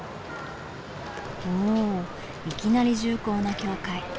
おおいきなり重厚な教会。